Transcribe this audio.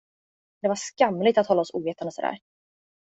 Det var skamligt att hålla oss ovetande så där.